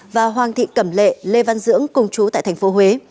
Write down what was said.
và hoàng thị cẩm lệ lê văn dưỡng cùng chú tại tp huế